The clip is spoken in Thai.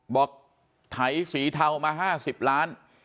บอกไถสีเทามา๕๐ล้าน